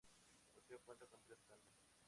El museo cuenta con tres plantas.